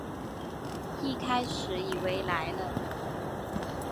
一开始以为来了